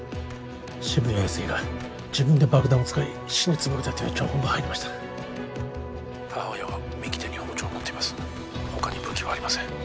渋谷英輔が自分で爆弾を使い死ぬつもりだという情報が入りました母親は右手に包丁を持っていますほかに武器はありません